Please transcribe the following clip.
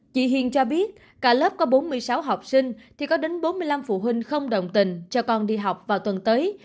chị hiền cho biết cả lớp có bốn mươi sáu học sinh thì có đến bốn mươi năm phụ huynh không đồng tình cho con đi học vào tuần tới